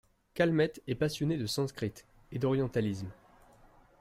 Calmette est passionné de sanskrit et d’orientalisme.